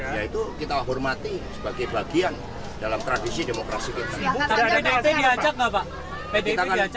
yaitu kita hormati sebagai bagian dalam tradisi demokrasi kita